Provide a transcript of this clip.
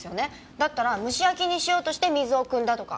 だったら蒸し焼きにしようとして水をくんだとか。